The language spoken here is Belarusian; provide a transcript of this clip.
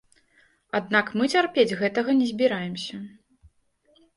Аднак мы цярпець гэтага не збіраемся.